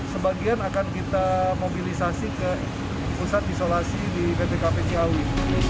sebagian akan kita mobilisasi ke pusat isolasi di ptkp ciawi